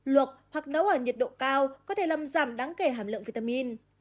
luộc hoặc nấu ở nhiệt độ cao có thể làm giảm đáng kể hàm lượng vitamin